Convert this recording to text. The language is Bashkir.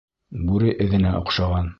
Бүре эҙенә оҡшаған.